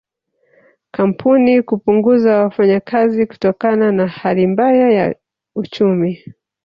Kampuni kupunguza wafanyakazi kutokana na hali mbaya ya uchumi